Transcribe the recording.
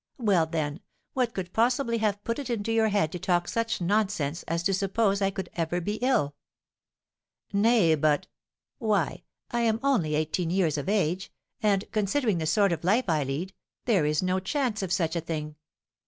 "Well, then, what could possibly have put it into your head to talk such nonsense as to suppose I could ever be ill?" "Nay, but " "Why, I am only eighteen years of age, and, considering the sort of life I lead, there is no chance of such a thing.